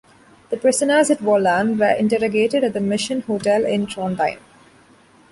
The prisoners at Vollan were interrogated at the Mission Hotel in Trondheim.